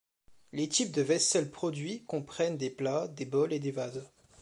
Les types de vaisselle produits comprennent des plats, des bols et des vases.